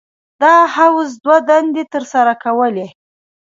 دا حوض دوه دندې تر سره کولې.